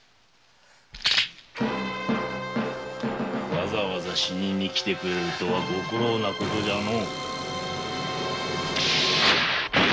わざわざ死ににきてくれるとはご苦労なことじゃの。